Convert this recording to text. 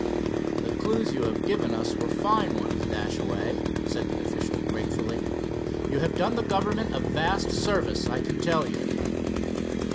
"The clews you have given us were fine ones, Dashaway," said the official gratefully. "You have done the government a vast service, I can tell you."